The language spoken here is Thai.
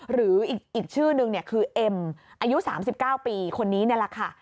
หรืออีกชื่อนึงคือเอ็มอายุ๓๙ปีคนนี้นี่แหละค่ะ